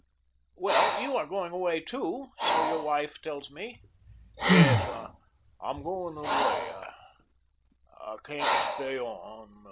"Well, you are going away, too, your wife tells me." "Yes, I'm going away. I can't stay on..."